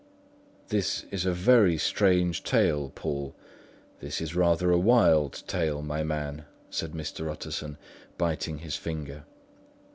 "This is a very strange tale, Poole; this is rather a wild tale my man," said Mr. Utterson, biting his finger.